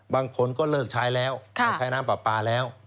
บางคนก็เลิกใช้แล้วใช้น้ำปลาปลาแล้ว